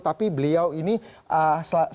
tapi beliau ini berusaha untuk mencapai kepentingan